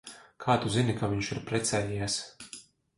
Kā tu zini, ka viņš ir precējies?